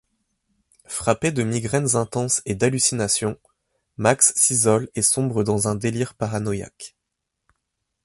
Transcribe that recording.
Frappé de migraines intenses et d'hallucinations, Max s'isole et sombre dans un délire paranoïaque.